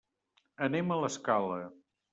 Anem a l'Escala.